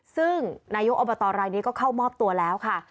ซึ่งนายกอบตรายนี้ก็เข้ามอบตัวแล้วค่ะ